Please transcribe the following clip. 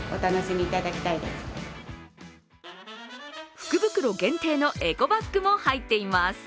福袋限定のエコバッグも入っています。